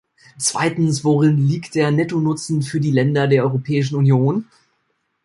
Zweitens, worin liegt der Nettonutzen für die Länder der Europäischen Union?